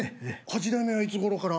８代目はいつごろから？